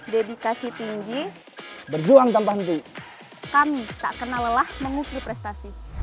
dedikasi tinggi berjuang tanpa henti kami tak kenal lelah mengukir prestasi